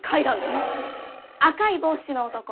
赤い帽子の男